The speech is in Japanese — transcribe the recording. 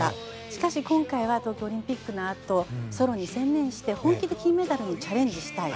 しかし、今回は東京オリンピックのあとソロに専念して本気で金メダルにチャレンジしたい。